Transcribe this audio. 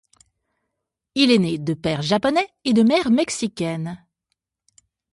Il est né de père japonais et de mère mexicaine.